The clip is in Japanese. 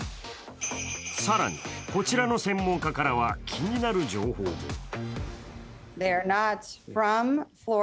更に、こちらの専門家からは気になる情報も。